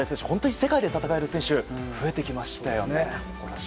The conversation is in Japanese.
世界で戦える選手が増えてきましたよね。